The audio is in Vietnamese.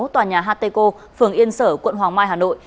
tòa nhà hateco phường yên sở quận hoàng mai hà nội